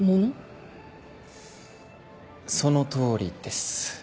そのとおりです。